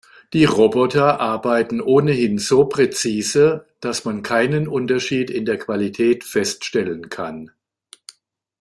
Die Roboter arbeiten ohnehin so präzise, dass man keinen Unterschied in der Qualität feststellen kann.